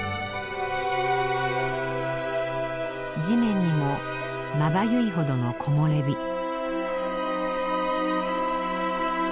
地面にもまばゆいほどの木漏れ日。